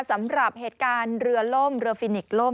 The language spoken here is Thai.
สำหรับเหตุการณ์เรือล่มเรือฟินิกล่ม